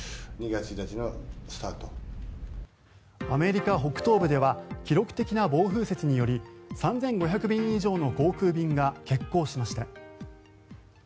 アメリカ北東部では記録的な暴風雪により３５００便以上の航空便が欠航しました。